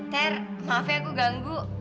ter maaf ya aku ganggu